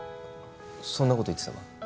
そんなこと言ってたか？